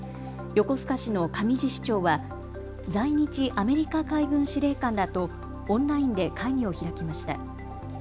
横須賀市の上地市長は在日アメリカ海軍司令官らとオンラインで会議を開きました。